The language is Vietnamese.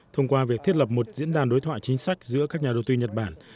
thông qua việc thiết lập một diễn đàn đối thoại chính sách giữa các nhà đầu tư nhật bản